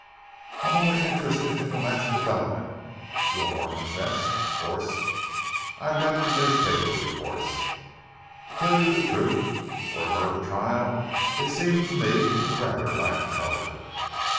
"I'm only interested in this last development," Wilmore confessed. "Of course, I read the newspaper reports. To tell you the truth, for a murder trial it seemed to me to rather lack colour."